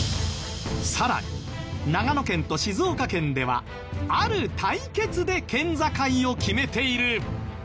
さらに長野県と静岡県ではある対決で県境を決めている。